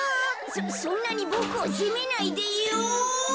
そんなにボクをせめないでよ。